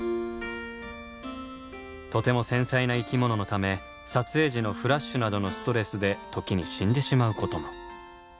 とても繊細な生き物のため撮影時のフラッシュなどのストレスで時に死んでしまうことも。